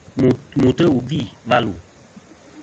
Mùtɨ wù gvi wà lu.